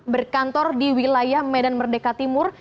berkantor di wilayah medan merdeka timur